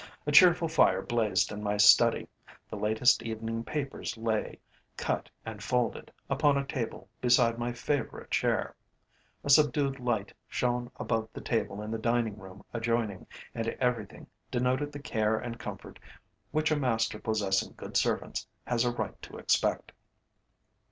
A cheerful fire blazed in my study, the latest evening papers lay, cut and folded, upon a table beside my favourite chair; a subdued light shone above the table in the dining room adjoining, and everything denoted the care and comfort which a master possessing good servants has a right to expect.